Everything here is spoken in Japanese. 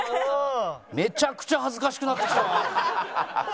めちゃくちゃ恥ずかしくなってきたわ。